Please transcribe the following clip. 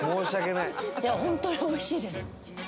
いや本当においしいです。